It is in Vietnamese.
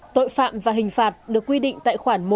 tội phạm và hình phạt được quy định tại khoản một